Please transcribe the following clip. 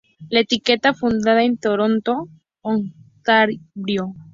La etiqueta fundada en Toronto, Ontario.